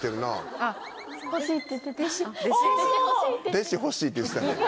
弟子欲しいって言ってたね。